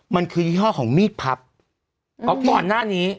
มันคือยี่ห้อของมีดพับอ๋อก่อนหน้านี้